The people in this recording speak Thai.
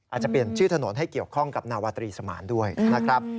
อาจจะเปลี่ยนชื่อถนนให้เกี่ยวข้องกับนาวาตรีสมานด้วยนะครับ